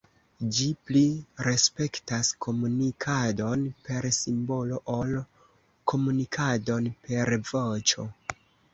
Ĝi pli respektas komunikadon per simbolo ol komunikadon per voĉo.